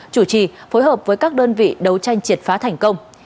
chủ trì phối hợp với các đơn vị đấu tranh triệt phá thành công